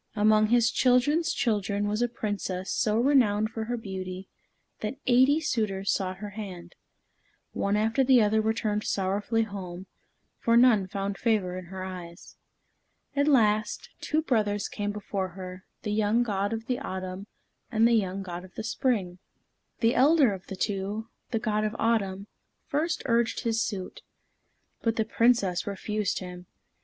Among his children's children was a Princess so renowned for her beauty that eighty suitors sought her hand. One after the other returned sorrowfully home, for none found favor in her eyes. At last, two brothers came before her, the young God of the Autumn, and the young God of the Spring. The elder of the two, the God of Autumn, first urged his suit. But the Princess refused him.